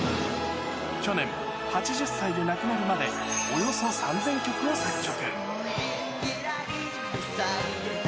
去年、８０歳で亡くなるまで、およそ３０００曲を作曲。